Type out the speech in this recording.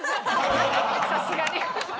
さすがに。